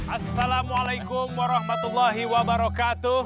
assalamualaikum warahmatullahi wabarakatuh